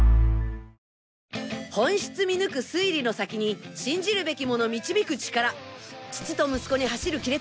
本質見抜く推理の先に信じるべきもの導く力父と息子に走る亀裂。